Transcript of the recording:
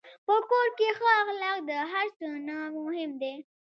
په کور کې ښه اخلاق د هر څه نه مهم دي.